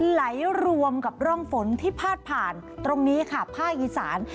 ไหลรวมกับร่องฝนที่พาดผ่านตรงนี้ค่ะภาคอีสาน